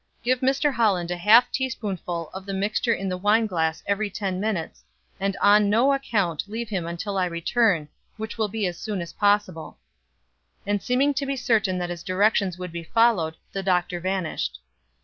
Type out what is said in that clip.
Give Mr. Holland a half teaspoonful of the mixture in the wine glass every ten minutes, and on no account leave him until I return, which will be as soon as possible." And seeming to be certain that his directions would be followed, the doctor vanished.